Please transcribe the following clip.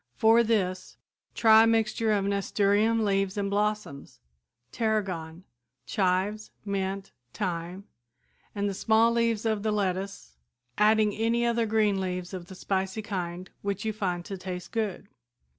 For this try a mixture of nasturtium leaves and blossoms, tarragon, chives, mint, thyme and the small leaves of the lettuce, adding any other green leaves of the spicy kind which you find to taste good.